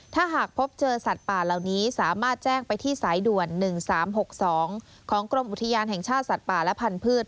ถ้าหากพบเจอสัตว์ป่าเหล่านี้สามารถแจ้งไปที่สายด่วน๑๓๖๒ของกรมอุทยานแห่งชาติสัตว์ป่าและพันธุ์